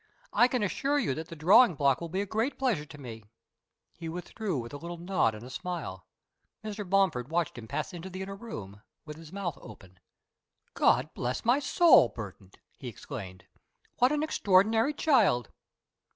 "I can assure you that the drawing block will be a great pleasure to me." He withdrew with a little nod and a smile. Mr. Bomford watched him pass into the inner room, with his mouth open. "God bless my soul, Burton!" he exclaimed. "What an extraordinary child!"